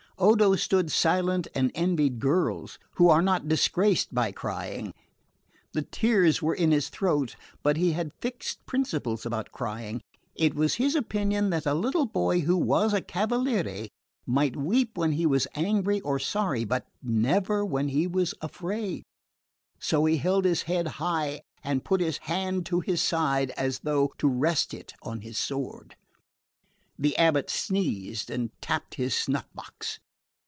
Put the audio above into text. Odo stood silent and envied girls, who are not disgraced by crying. The tears were in his throat, but he had fixed principles about crying. It was his opinion that a little boy who was a cavaliere might weep when he was angry or sorry, but never when he was afraid; so he held his head high and put his hand to his side, as though to rest it on his sword. The abate sneezed and tapped his snuff box.